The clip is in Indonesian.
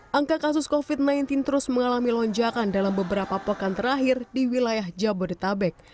hai angka kasus kofit sembilan belas terus mengalami lonjakan dalam beberapa pekan terakhir di wilayah jabodetabek